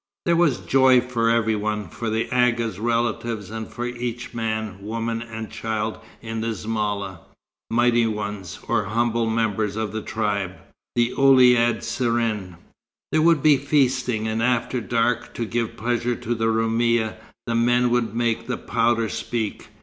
There was joy for everyone, for the Agha's relatives, and for each man, woman and child in the zmala, mighty ones, or humble members of the tribe, the Ouled Serrin. There would be feasting, and after dark, to give pleasure to the Roumia, the men would make the powder speak.